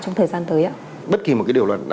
trong thời gian tới bất kỳ một cái điều luật